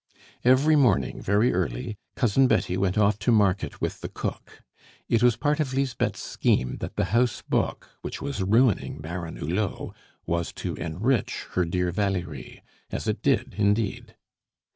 Every morning, very early, Cousin Betty went off to market with the cook. It was part of Lisbeth's scheme that the house book, which was ruining Baron Hulot, was to enrich her dear Valerie as it did indeed.